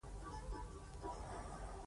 خو ځینو شاته اړولې وې او پرې ځړېدلې وې.